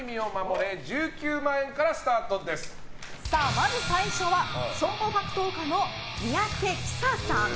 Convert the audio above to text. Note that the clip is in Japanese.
まず最初は総合格闘技の三宅輝砂さん。